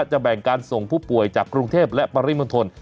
จะแบ่งการส่งผู้ป่วยจากกรุงเทพและปริมณฑล